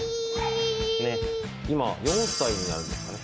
ねっ今４歳になるんですかね